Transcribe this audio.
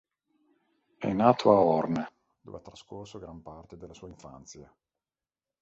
È nato a Hoorn, dove ha trascorso gran parte della sua infanzia.